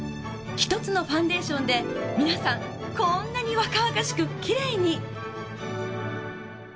１つのファンデーションで皆さんこんなに若々しくきれいに。